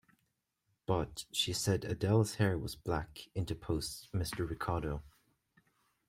"But she said Adele's hair was black," interposed Mr. Ricardo.